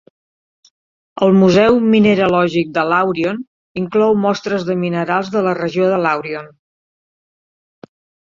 El Museu Mineralògic de Làurion inclou mostres de minerals de la regió de Làurion.